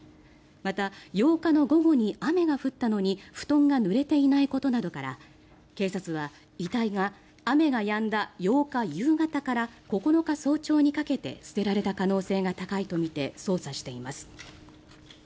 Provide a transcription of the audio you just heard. また、８日の午後に雨が降ったのに布団がぬれていないことなどから警察は遺体が雨がやんだ８日夕方から９日早朝にかけて捨てられた可能性が高いとみて捜査しています。